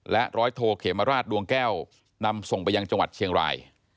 ร้อยโทเขมราชดวงแก้วนำส่งไปยังจังหวัดเชียงราย